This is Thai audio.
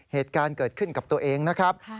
เหตุการณ์เกิดขึ้นกับตัวเองนะครับ